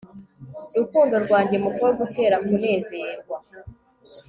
rukundo rwanjye, mukobwa utera kunezerwa